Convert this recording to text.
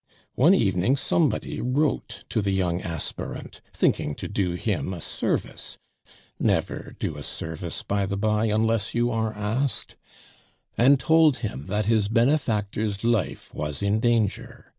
One evening somebody wrote to the young aspirant, thinking to do him a service (never do a service, by the by, unless you are asked), and told him that his benefactor's life was in danger.